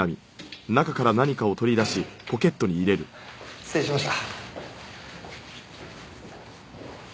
失礼しました。